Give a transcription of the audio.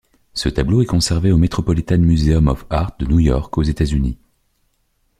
Ce tableau est conservé au Metropolitan Museum of Art de New York, aux États-Unis.